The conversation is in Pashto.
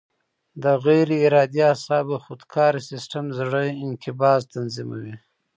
د غیر ارادي اعصابو خودکاره سیستم د زړه انقباض تنظیموي.